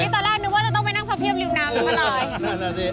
ตอนแรกนึกว่าจะต้องไปนั่งพับเพียบริวน้ำแล้วก็ลอย